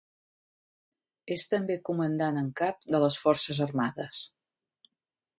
És també comandant en cap de les forces armades.